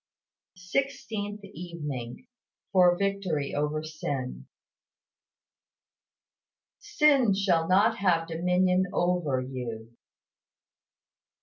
SIXTEENTH EVENING. FOR VICTORY OVER SIN. "Sin shall not have dominion over you."